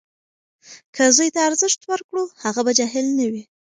که زوی ته ارزښت ورکړو، هغه به جاهل نه وي.